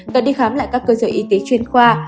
và đi khám lại các cơ sở y tế chuyên khoa